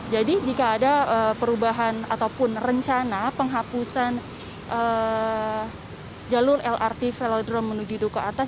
jadi jika ada perubahan ataupun rencana penghapusan jalur lrt velodrome menuju dukuh atas